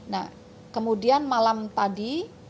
nah kemudian malam tadi